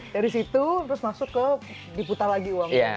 dari situ terus masuk ke diputar lagi uangnya